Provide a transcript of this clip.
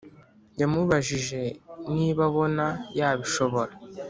yamubajjije niba abona yabishobora